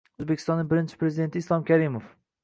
O‘zbekistonning birinchi prezidenti Islom Karimov